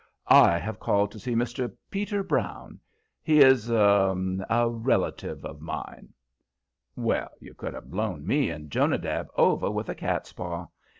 "I have called to see Mr. Peter Brown; he is er a relative of mine." Well, you could have blown me and Jonadab over with a cat's paw.